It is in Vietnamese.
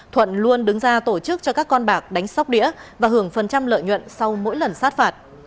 thuận luôn đứng ra tổ chức cho các con bạc đánh sóc đĩa và hưởng phần trăm lợi nhuận sau mỗi lần sát phạt